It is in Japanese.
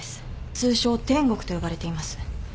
通称テンゴクと呼ばれています。